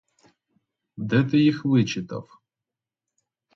Де ти їх вичитав?